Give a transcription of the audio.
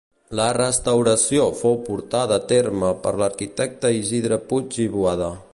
La restauració fou portada terme per l'arquitecte Isidre Puig i Boada.